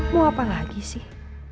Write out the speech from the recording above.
mau apa lagi sih